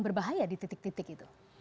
berbahaya di titik titik itu